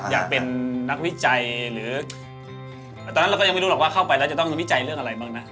อยากเป็นนักวิจัยหรือตอนนั้นเราก็ยังไม่รู้หรอกว่าเข้าไปแล้วจะต้องวิจัยเรื่องอะไรบ้างนะ